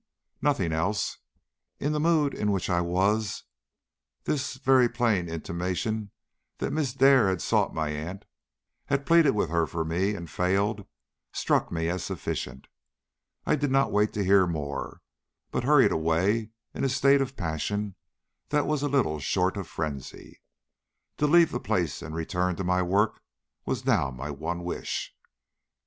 "Nothing else. In the mood in which I was this very plain intimation that Miss Dare had sought my aunt, had pleaded with her for me and failed, struck me as sufficient. I did not wait to hear more, but hurried away in a state of passion that was little short of frenzy. To leave the place and return to my work was now my one wish.